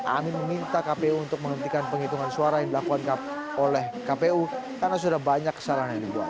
amin meminta kpu untuk menghentikan penghitungan suara yang dilakukan oleh kpu karena sudah banyak kesalahan yang dibuat